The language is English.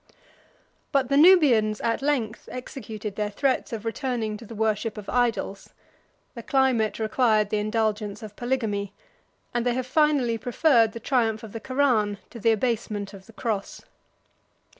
154 But the Nubians at length executed their threats of returning to the worship of idols; the climate required the indulgence of polygamy, and they have finally preferred the triumph of the Koran to the abasement of the Cross.